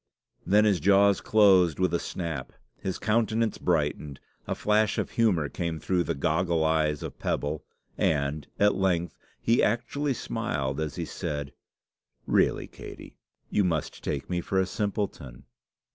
Then his jaws closed with a snap, his countenance brightened, a flash of humour came through the goggle eyes of pebble, and, at length, he actually smiled as he said "Really, Katey, you must take me for a simpleton!"